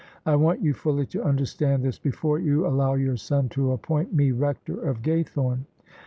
I want you fully to understand this before you allow your son to appoint me Rector of Gaythome."